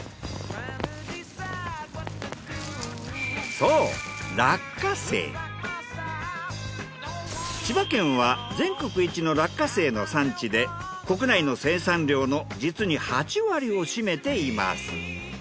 そう千葉県は全国一の落花生の産地で国内の生産量の実に８割を占めています。